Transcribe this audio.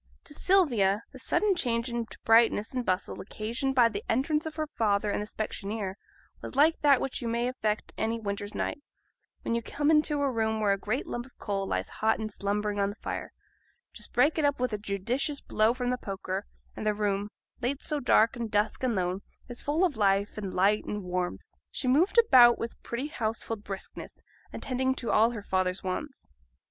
To Sylvia the sudden change into brightness and bustle occasioned by the entrance of her father and the specksioneer was like that which you may effect any winter's night, when you come into a room where a great lump of coal lies hot and slumbering on the fire; just break it up with a judicious blow from the poker, and the room, late so dark, and dusk, and lone, is full of life, and light, and warmth. She moved about with pretty household briskness, attending to all her father's wants.